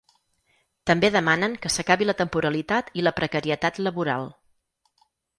També demanen que s’acabi la temporalitat i la precarietat laboral.